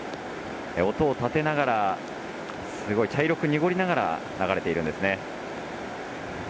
音を立てながら茶色く濁りながら流れているんですね。